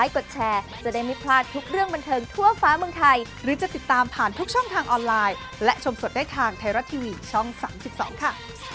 ก็เลยไม่อยากดีกว่าอยู่ด้วยกันอย่างนี้ครอบครัวน่ารักดีอบอุ่นนะคะ